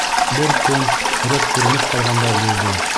Бер көн Фред күренеп ҡалғандай булды.